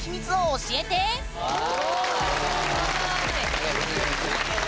ありがとうございます。